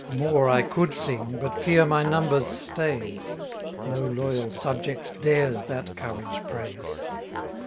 More I could sing, but fear my numbers stays; No loyal subject dares that courage praise.